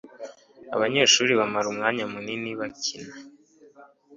Abanyeshuri bamara umwanya munini bakina.